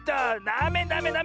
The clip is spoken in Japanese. ダメダメダメ！